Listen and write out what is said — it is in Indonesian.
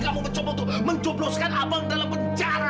kamu mencoba untuk mencobloskan abang dalam penjara